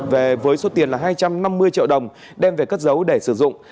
với số tiền là hai trăm năm mươi triệu đồng đem về cất dấu để sử dụng